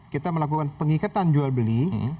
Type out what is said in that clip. kita melakukan pengikatan jual beli